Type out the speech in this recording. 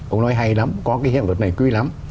ông nói hay lắm có cái hiệu vật này quý lắm